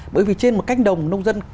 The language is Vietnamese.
bởi vì trên một cánh đồng nông dân